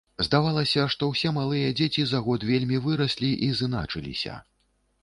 Здавалася, што ўсе малыя дзеці за год вельмі выраслі і зыначыліся.